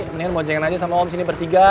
mendingan boncengan aja sama om sini bertiga